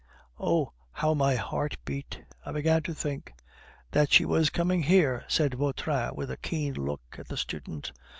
Oh! how my heart beat! I began to think " "That she was coming here," said Vautrin, with a keen look at the student.